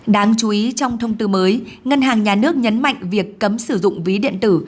đáng chú ý trong thông tư mới ngân hàng nhà nước nhấn mạnh việc cấm sử dụng ví điện tử